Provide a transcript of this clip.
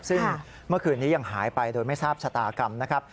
ซึ่งเมื่อคืนนี้ยังหายไปโดยไม่ทราบชะตากรรมนะครับ